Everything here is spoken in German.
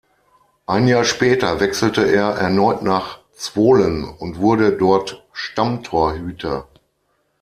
Ein Jahr später wechselte er erneut nach Zvolen und wurde dort Stammtorhüter.